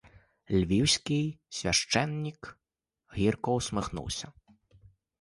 Львівський священик гірко усміхнувся.